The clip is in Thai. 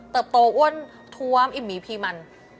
เติบโตอ้วนทวมอิ่มมีพีมัน